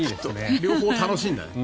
両方楽しいんだよ。